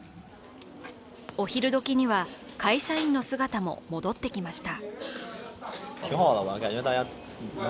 お昼どきには会社員の姿も戻ってきました。